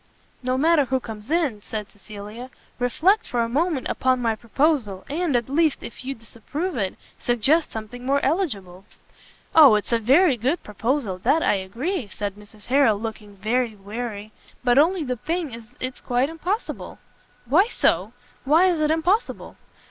"No matter who comes in," said Cecilia, "reflect for a moment upon my proposal, and, at least, if you disapprove it, suggest something more eligible." "Oh, it's a very good proposal, that I agree," said Mrs Harrel, looking very weary, "but only the thing is it's quite impossible." "Why so? why is it impossible?"